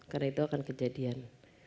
karena itu akan kejadian